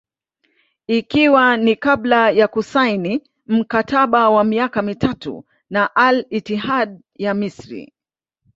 Ikiwa ni kabla ya kusaini mkataba wa miaka mitatu na Al Ittihad ya Misri